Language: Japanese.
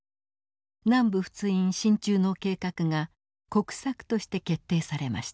南部仏印進駐の計画が国策として決定されました。